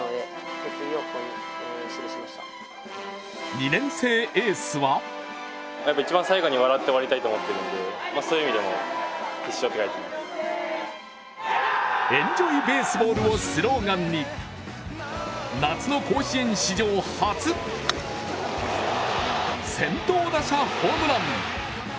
２年生エースはエンジョイベースボールをスローガンに夏の甲子園史上初先頭打者ホームラン。